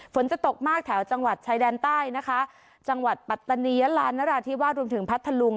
ฝนจะตกมากแถวจังหวัดชายแดนใต้นะคะจังหวัดปัตตานียะลานนราธิวาสรวมถึงพัทธลุง